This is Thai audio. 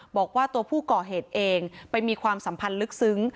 บอกว่าตัวผู้ก่อเหตุเองไปมีความสัมพันธ์ลึกซึ้ง